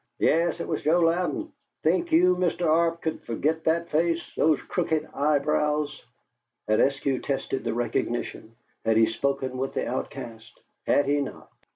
Yes, it was Joe Louden! Think you, Mr. Arp could forget that face, those crooked eyebrows? Had Eskew tested the recognition? Had he spoken with the outcast? Had he not!